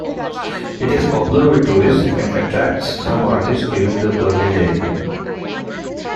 It is popular with tourists and attracts some artists during the Berlinale.